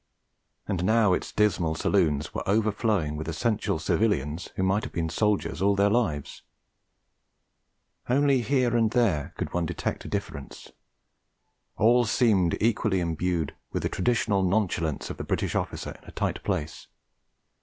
And now its dismal saloons were overflowing with essential civilians who might have been soldiers all their lives; only here and there could one detect a difference; all seemed equally imbued with the traditional nonchalance of the British officer in a tight place.